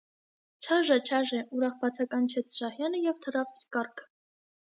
- Չարժե՜, չարժե՜,- ուրախ բացականչեց Շահյանը և թռավ իր կառքը: